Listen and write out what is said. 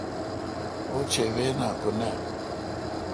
اوچھی وین ہکہ نہ۔